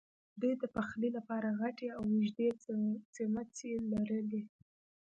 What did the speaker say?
دوی د پخلی لپاره غټې او اوږدې څیمڅۍ لرلې.